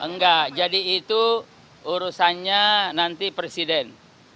enggak jadi itu urusannya nanti presiden